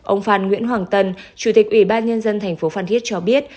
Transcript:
ông phan nguyễn hoàng tân chủ tịch ủy ban nhân dân tp phan thiết cho biết